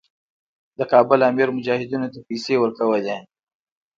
د کابل امیر مجاهدینو ته پیسې ورکولې.